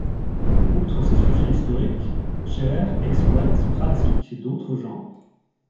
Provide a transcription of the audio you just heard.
Outre ses sujets historiques, Scherrer exploite pratique d'autre genres.